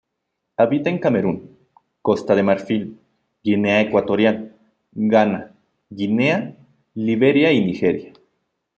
Habita en Camerún, Costa de Marfil, Guinea Ecuatorial, Ghana, Guinea, Liberia y Nigeria.